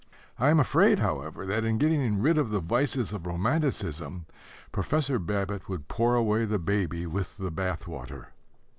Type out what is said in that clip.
I am afraid, however, that in getting rid of the vices of romanticism Professor Babbitt would pour away the baby with the bath water.